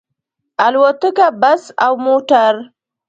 الوتکه، بس او موټر